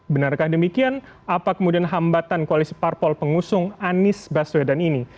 benarkah demikian apa kemudian hambatan koalisi parpol pengusung anies baswedan ini